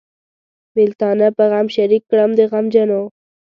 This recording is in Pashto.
بېلتانه په غم شریک کړم د غمجنو.